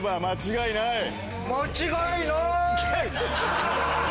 間違いない！